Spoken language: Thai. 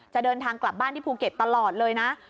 จะเดินทางกลับบ้านที่ภูเก็ตตลอดเลยนะ